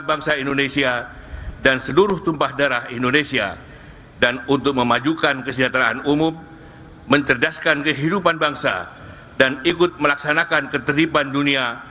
yang saya hormati ketua majelis pemusatan rakyat republik indonesia